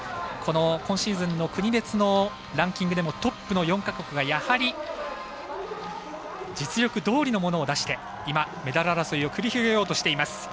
この今シーズンの国別のランキングでもトップの４か国がやはり実力どおりのものを出して今、メダル争いを繰り広げようとしています。